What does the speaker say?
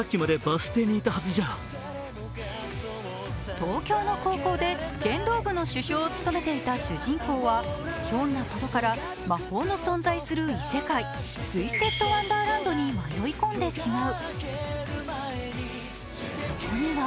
東京の高校で剣道部の主将を務めてい主人公はひょんなことから魔法の存在する異世界、ツイステッドワンダーランドに迷い込んでしまう。